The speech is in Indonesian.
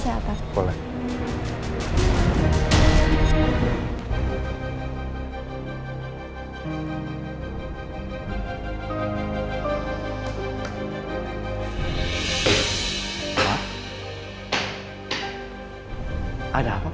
saya yakin ini salah